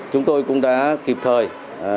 chúng tôi cũng đã kịp thời